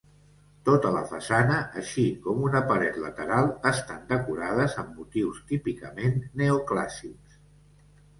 Tota la façana, així com una paret lateral, estan decorades amb motius típicament neoclàssics.